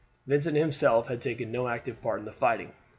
Vincent himself had taken no active part in the fighting.